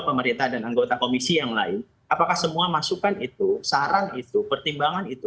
pemerintah dan anggota komisi yang lain apakah semua masukan itu saran itu pertimbangan itu